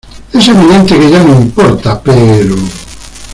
es evidente que ya no importa, pero...